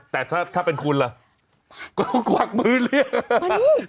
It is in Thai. แต่ถ้าเป็นคุณล่ะก็กลวกมือเลยนะมานี่